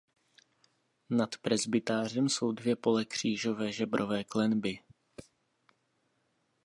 Nad presbytářem jsou dvě pole křížové žebrové klenby.